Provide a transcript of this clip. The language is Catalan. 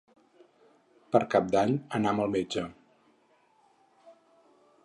Per Cap d'Any anam al metge.